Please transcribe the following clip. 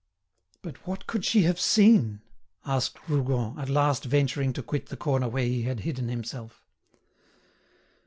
"But what could she have seen?" asked Rougon, at last venturing to quit the corner where he had hidden himself.